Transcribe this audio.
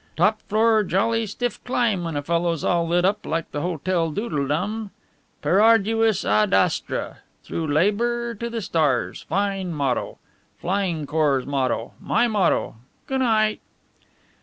Top floor jolly stiff climb when a fellow's all lit up like the Hotel Doodledum per arduis ad astra through labour to the stars fine motto. Flying Corps' motto my motto. Goo' night!"